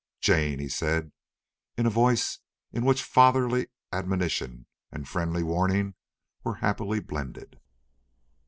"Jane!" he said in a voice in which fatherly admonition and friendly warning were happily blended.